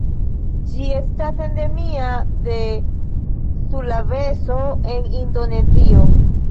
Ĝi estas endemia de Sulaveso en Indonezio.